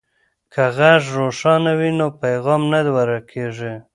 که غږ روښانه وي نو پیغام نه ورکیږي.